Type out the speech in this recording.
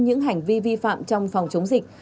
những hành vi vi phạm trong phòng chống dịch